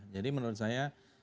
jadi menurut saya